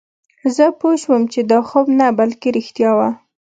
زه پوه شوم چې دا خوب نه بلکې رښتیا وه